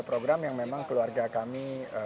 program yang memang keluarga kami